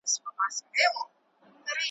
د ملا انډیوالي تر شکرانې وي `